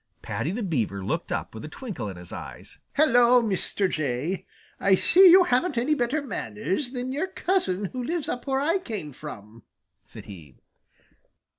Paddy the Beaver looked up with a twinkle in his eyes. "Hello, Mr. Jay! I see you haven't any better manners than your cousin who lives up where I came from," said he.